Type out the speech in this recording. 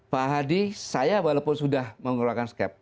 pak hadi saya walaupun sudah mengeluarkan skep